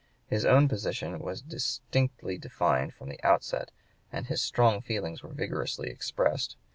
His own (p. 120) position was distinctly defined from the outset, and his strong feelings were vigorously expressed.